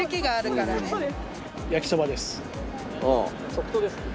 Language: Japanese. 即答ですね。